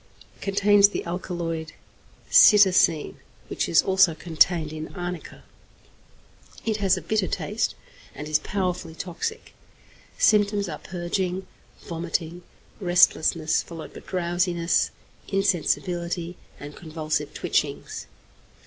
Contains the alkaloid cytisine, which is also contained in arnica. It has a bitter taste, and is powerfully toxic. Symptoms are purging, vomiting, restlessness, followed by drowsiness, insensibility, and convulsive twitchings.